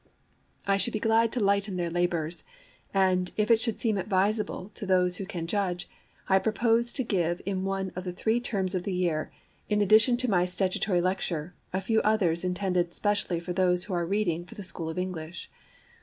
I should be glad to lighten their labours, and, if it should seem advisable to those who can judge, I propose to give in one of the three Terms of the year, in addition to my statutory lecture, a few others intended specially for those who are reading for the School of English.